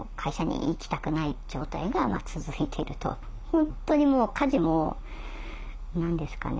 本当にもう家事も何ですかね